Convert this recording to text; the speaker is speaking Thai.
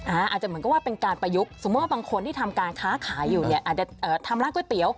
อาจจะเหมือนกับว่าเป็นการประยุกต์สมมุติว่าบางคนที่ทำการค้าขายอยู่เนี่ยอาจจะทำร้านก๋วยเตี๋ย